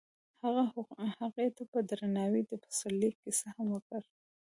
هغه هغې ته په درناوي د پسرلی کیسه هم وکړه.